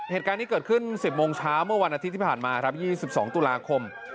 เหตุการณ์นี้เกิดขึ้น๑๐โมงเช้าเมื่อวันอาทิตย์ที่ผ่านมาครับ๒๒ตุลาคม